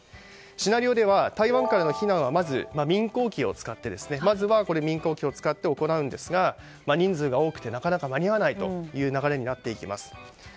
シナリオでは台湾からの避難はまず民間機を使って行うんですが、人数が多くてなかなか間に合わないという流れになっていきます。